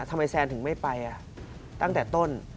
ทำไมแซนถึงไม่ไปตั้งแต่ต้น